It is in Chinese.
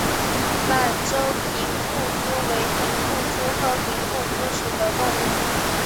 满洲平腹蛛为平腹蛛科平腹蛛属的动物。